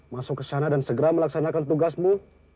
masuk ke sana dan segera melaksanakan tugasmu